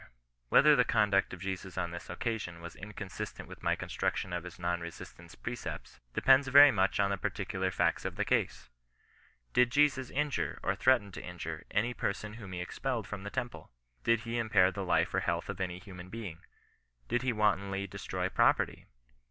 — Whether the conduct of Jesus on this oc casion was inconsistent with ray construction of his non resistance precepts, depends very much on the particular facts of the case. Did Jesus injure, or threaten to injure, any person whom he expelled from the temple ? Did he impair the life or health of any human being? Did he wantonly destroy property